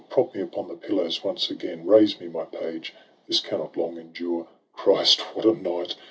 Prop me upon the pillows once again — Raise me, my page ! this cannot long endure. — Christ, what a night